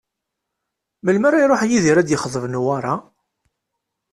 Melmi ara iruḥ Yidir ad d-ixḍeb Newwara?